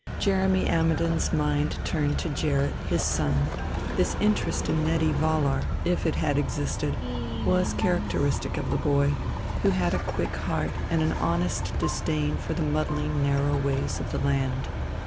Jeremy Ammidon's mind turned to Gerrit, his son; this interest in Nettie Vollar, if it had existed, was characteristic of the boy, who had a quick heart and an honest disdain for the muddling narrow ways of the land.